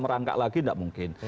merangkak lagi tidak mungkin